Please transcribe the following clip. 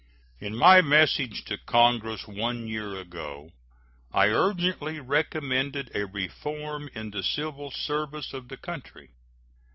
In my message to Congress one year ago I urgently recommended a reform in the civil service of the country.